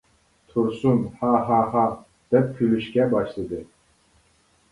تۇرسۇن ھا ھا ھا دەپ كۈلۈشكە باشلىدى.